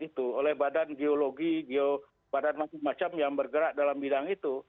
itu oleh badan geologi geobadan macam macam yang bergerak dalam bidang itu